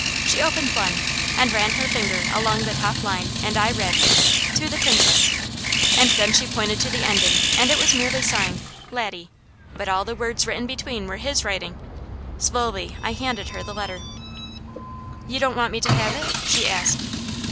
She opened one and ran her finger along the top line and I read, "To the Princess," and then she pointed to the ending and it was merely signed, "Laddie," but all the words written between were his writing. Slowly I handed her the letter. "You don't want me to have it?" she asked.